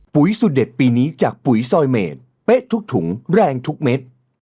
สุดเด็ดปีนี้จากปุ๋ยซอยเมดเป๊ะทุกถุงแรงทุกเม็ด